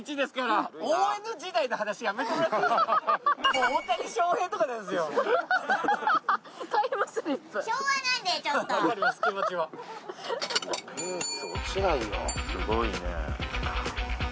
すごいね。